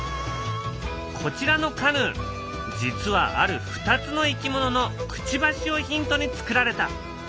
こちらのカヌー実はある２つのいきもののくちばしをヒントにつくられた。